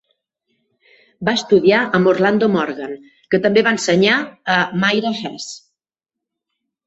Va estudiar amb Orlando Morgan, que també va ensenyar a Myra Hess.